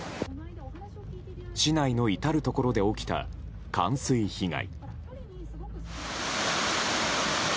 市内の至るところで起きた冠水被害。